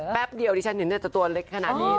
แป๊บเดียวดิฉันเห็นจะตัวเล็กขนาดนี้